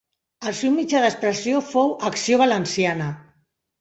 El seu mitjà d'expressió fou Acció Valenciana.